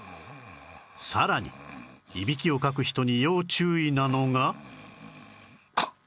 さらにいびきをかく人に要注意なのが